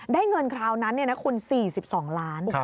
ได้เงินคราวนั้นคุณ๔๒ล้าน